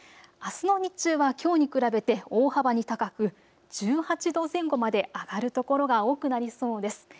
あすの日中はきょうに比べて大幅に高く１８度前後まで上がる所が多くなりそうです。